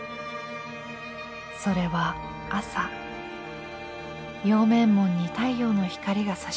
それは朝陽明門に太陽の光がさし込むとき。